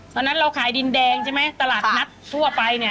เราขายดินแดงใช่ไหมตลาดนัดทั่วไปเนี่ย